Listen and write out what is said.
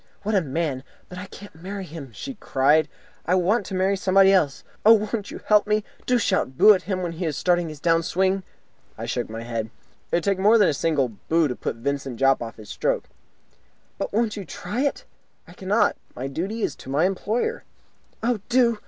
"What a man! But I can't marry him," she cried. "I want to marry somebody else. Oh, won't you help me? Do shout 'Boo!' at him when he is starting his down swing!" I shook my head. "It would take more than a single 'boo' to put Vincent Jopp off his stroke." "But won't you try it?" "I cannot. My duty is to my employer." "Oh, do!"